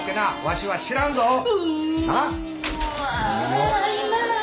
ただいま。